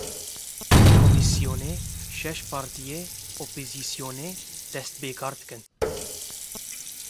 Komîsyonên şeş partiyên opozîsyonê dest bi kar dikin.